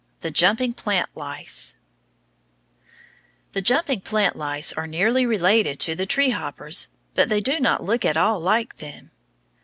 THE JUMPING PLANT LICE The jumping plant lice are nearly related to the tree hoppers, but they do not look at all like them.